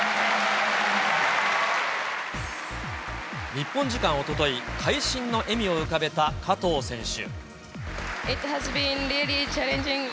日本時間おととい、会心の笑みを浮かべた加藤選手。